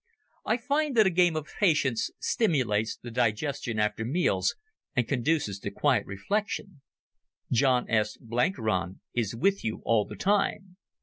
I find that a game of Patience stimulates the digestion after meals and conduces to quiet reflection. John S. Blenkiron is with you all the time."